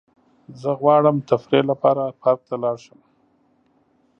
زه غواړم تفریح لپاره پارک ته لاړ شم.